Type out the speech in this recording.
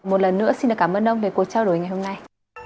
một lần nữa xin cảm ơn ông về cuộc trao đổi ngày hôm nay